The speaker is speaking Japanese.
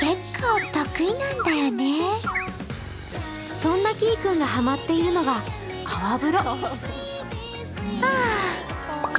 そんなきーくんがハマッているのが泡風呂。